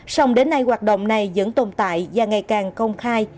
song đến nay hoạt động này vẫn tồn tại và ngày càng công khai